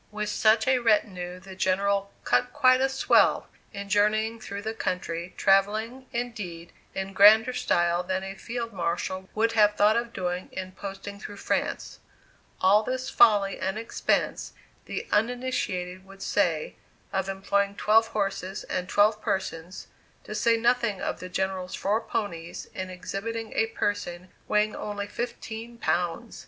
With such a retinue the General "cut quite a swell" in journeying through the country, travelling, indeed, in grander style than a Field Marshal would have thought of doing in posting through France. All this folly and expense, the uninitiated would say, of employing twelve horses and twelve persons, to say nothing of the General's four ponies, in exhibiting a person weighing only fifteen pounds!